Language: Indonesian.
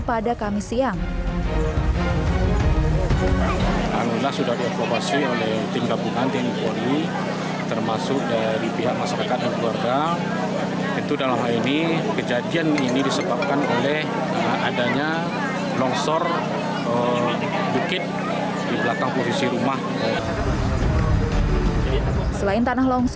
pada kamis siang anggunlah sudah dievakuasi oleh